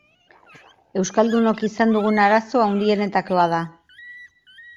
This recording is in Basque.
Euskaldunok izan dugun arazo handienetakoa da.